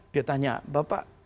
dia tanya bapak